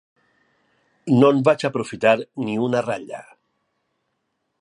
No en vaig aprofitar ni una ratlla.